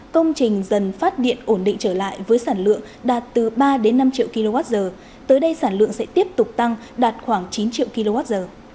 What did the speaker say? công trình dần phát điện ổn định trở lại với sản lượng đạt từ ba đến năm triệu kwh tới đây sản lượng sẽ tiếp tục tăng đạt khoảng chín triệu kwh